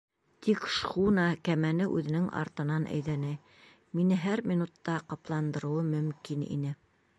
Тик шхуна кәмәне үҙенең артынан әйҙәне, мине һәр минутта ҡапландырыуы мөмкин ине.